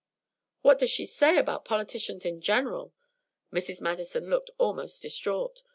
"What does she say about politicians in general?" Mrs. Madison looked almost distraught.